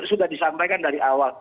sudah disampaikan dari awal